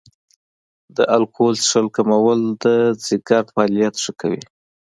د الکول څښل کمول د جګر فعالیت ښه کوي.